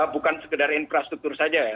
bukan sekedar infrastruktur saja ya